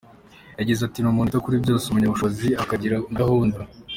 Yagize ati “Ni umuntu wita kuri byose, umunyabushobozi, akagira na gahunda.